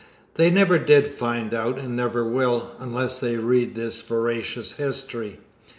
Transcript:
They never did find out, and never will, unless they read this veracious history.